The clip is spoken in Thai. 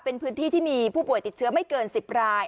เป็นพื้นที่ที่มีผู้ป่วยติดเชื้อไม่เกิน๑๐ราย